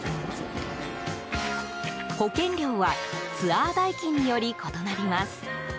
保険料はツアー代金により異なります。